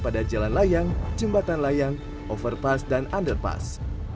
pada jalan layang jembatan layang overpass dan underpass